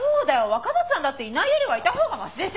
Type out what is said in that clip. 若松さんだっていないよりはいた方がましでしょ。